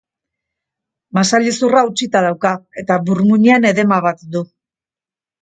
Masailezurra hautsita dauka eta burmuinean edema bat du.